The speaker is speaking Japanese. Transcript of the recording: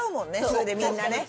それでみんなね。